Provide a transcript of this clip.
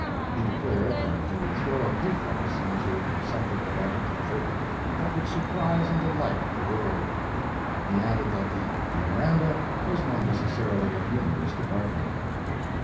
He declared that he would throw a pathos into the subject of agriculture that would surprise and delight the world. He added that the "Memoranda" was not necessarily a humorous department.